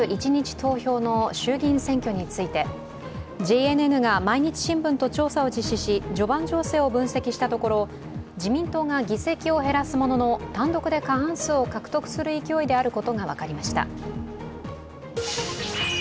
投票の衆議院選挙について、ＪＮＮが「毎日新聞」と調査を実施し序盤情勢を分析したところ、自民党が議席を減らすものの単独で過半数を獲得する勢いであることが分かりました。